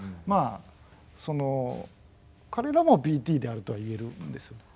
まあその彼らもＢＴであるとはいえるんですよ。